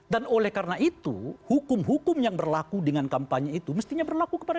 dan oleh karena itu hukum hukum yang berlaku dengan kampanye itu mestinya berlaku kepada